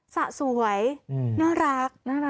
สะสวยน่ารัก